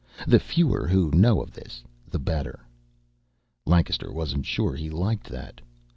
The fewer who know of this, the better." Lancaster wasn't sure he liked that.